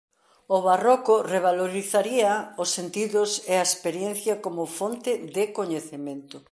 O Barroco revalorizaría os sentidos e a experiencia como fonte de coñecemento.